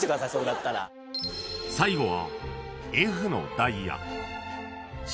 ［最後は］